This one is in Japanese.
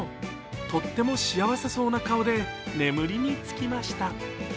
とっても幸せそうな顔で眠りにつきました。